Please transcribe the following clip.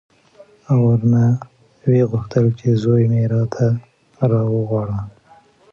او ورنه ویې غوښتل چې زوی مې راته راوغواړه.